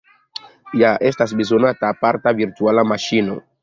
Ja estas bezonata aparta virtuala maŝino.